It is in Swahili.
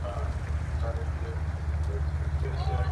maana wewe tu ni mwenye nguvu na uweza.